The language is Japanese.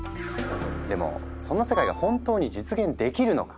でもそんな世界が本当に実現できるのか。